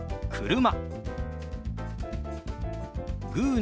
「車」。